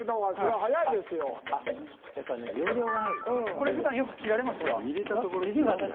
これ、ふだんよく切られますか？